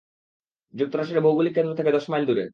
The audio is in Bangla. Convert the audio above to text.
যুক্তরাষ্ট্রের ভৌগোলিক কেন্দ্র থেকে দশ মাইল দূরে।